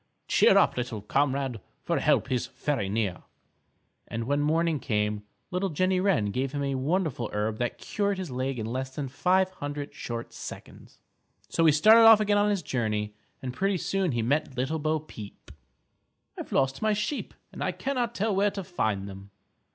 Cheer up, little comrade, For help is very near._" And when morning came Little Jenny Wren gave him a wonderful herb that cured his leg in less than five hundred short seconds. So he started off again on his journey and pretty soon he met Little Bo Peep. "I've lost my sheep and cannot tell where to find them."